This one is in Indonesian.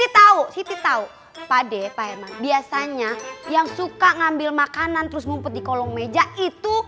tahu siti tahu pak d pak herman biasanya yang suka ngambil makanan terus mumput di kolong meja itu